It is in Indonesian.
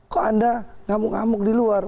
kok anda ngamuk ngamuk di luar